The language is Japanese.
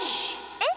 えっ？